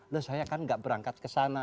loh saya kan gak berangkat ke sana